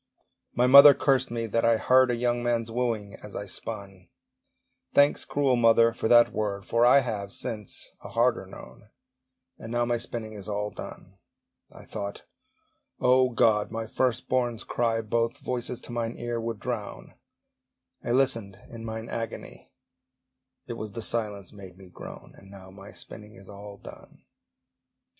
My mother cursed me that I heard A young man's wooing as I spun: Thanks, cruel mother, for that word, For I have, since, a harder known! And now my spinning is all done. I thought, O God! my first born's cry Both voices to mine ear would drown: I listened in mine agony, It was the silence made me groan! And now my spinning is all done.